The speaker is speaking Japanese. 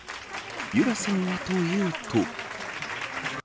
由良さんはというと。